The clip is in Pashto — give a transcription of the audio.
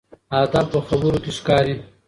ادب په خبرو کې ښکاري.